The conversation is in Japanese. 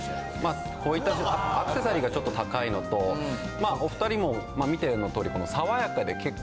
こういったアクセサリーがちょっと高いのとお２人も見ての通り。